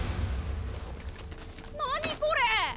何これ！